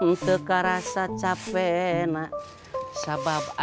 tanggal kebalistik benar benar jatuh